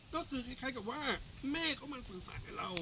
ก็คือคล้ายกับว่าแม่เขามาสื่อสารกับเรา